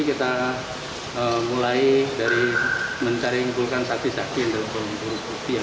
kita mulai dari mencari vulkan saksi saksi yang ada